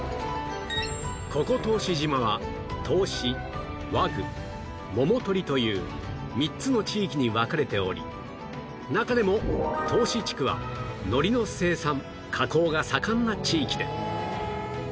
ここ答志島は答志和具桃取という３つの地域に分かれており中でも答志地区は海苔の生産加工が盛んな地域で